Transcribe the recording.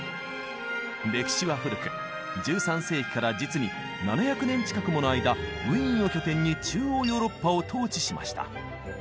歴史は古く１３世紀から実に７００年近くもの間ウィーンを拠点に中央ヨーロッパを統治しました。